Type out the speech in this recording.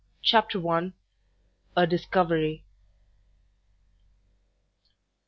CHAPTER i A DISCOVERY.